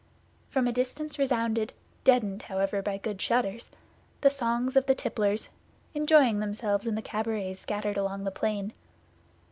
From a distance resounded, deadened, however, by good shutters, the songs of the tipplers, enjoying themselves in the cabarets scattered along the plain.